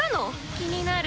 気になる？